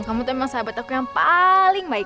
kamu tuh emang sahabat aku yang paaaling baik